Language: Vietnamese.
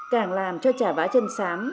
càng làm cho trà vá chân sám